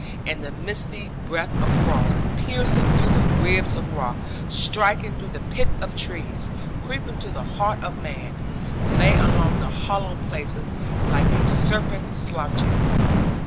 And the misty breath of frost, piercing through the ribs of rock, striking to the pith of trees, creeping to the heart of man, lay along the hollow places, like a serpent sloughing.